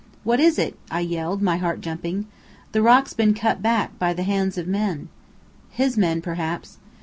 "What is it?" I yelled, my heart jumping. "The rock's been cut back, by the hands of men." "His men, perhaps."